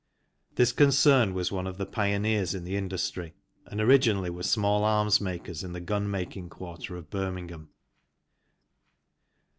This concern was one of the pioneers in the industry and originally were small arms makers in the gun making quarter of Birmingham.